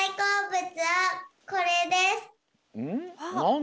ん？